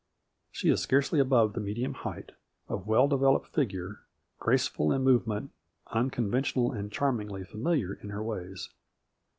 She is scarcely above the medium height, of well developed figure, graceful in movement, A FLURRY IN DIAMONDS. 1 ? unconventional and charmingly familiar in her ways.